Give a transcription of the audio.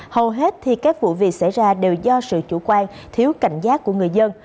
hầu hết thì các vụ việc xảy ra đều do sự chủ quan thiếu cảnh giác của người dân